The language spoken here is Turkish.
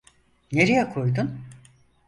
Nereye koydun?